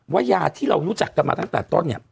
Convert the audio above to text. ว่ายาที่เรารู้จักกันมาตั้งแต่ต้นเนี่ย